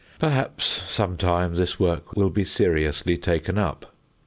Perhaps some time this work will be seriously taken up.